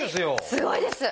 すごいです！